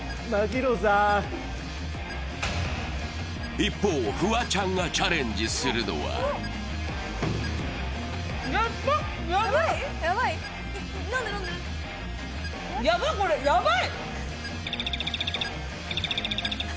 一方、フワちゃんがチャレンジするのはあ、ヤバイ！